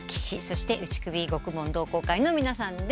そして打首獄門同好会の皆さんです。